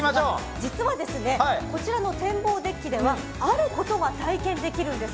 実は、こちらの天望デッキではあることが体験できるんです。